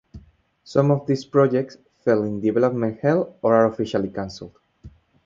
Some of these projects fell in "development hell" or are officially canceled.